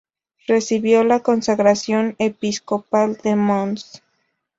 Recibió la Consagración Episcopal de Mons.